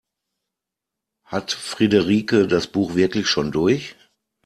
Hat Friederike das Buch wirklich schon durch?